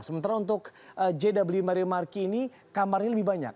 sementara untuk jw marriott marquee ini kamarnya lebih banyak